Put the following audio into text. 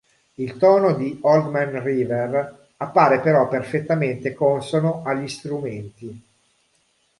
Il tono di Old Man River, appare però perfettamente consono agli strumenti.